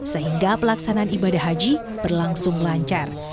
sehingga pelaksanaan ibadah haji berlangsung lancar